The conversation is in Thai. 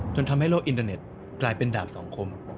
จนทำให้โลกอินเทอร์เน็ตกลายเป็นดาบสองคม